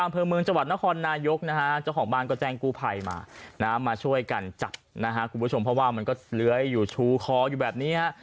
เพราะว่ามันก็เล้ยชูคล้อแบบนี้